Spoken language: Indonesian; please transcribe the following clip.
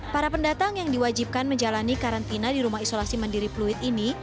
para pendatang yang diwajibkan menjalani karantina di rumah isolasi mandiri pluit ini